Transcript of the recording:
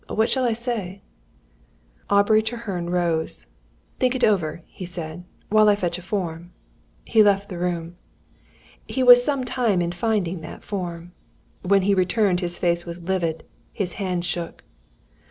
What shall I say?" Aubrey Treherne rose. "Think it over," he said, "while I fetch a form." He left the room. He was some time in finding that form. When he returned his face was livid, his hand shook.